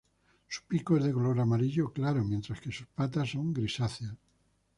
Su pico es de color amarillo claro, mientras que sus patas son grisáceas.